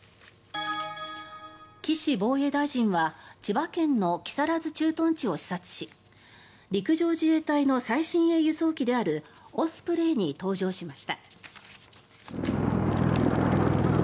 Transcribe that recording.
岸防衛大臣は千葉県の木更津駐屯地を視察し陸上自衛隊の最新鋭輸送機であるオスプレイに搭乗しました。